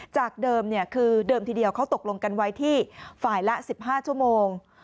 จากเดิมคือเดิมทีเดียวเขาตกลงกันไว้ที่ฝ่ายละ๑๕ชั่วโมง